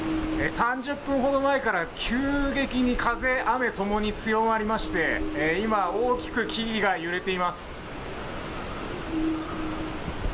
３０分ほど前から急激に風雨共に強まりまして今、大きく木々が揺れています。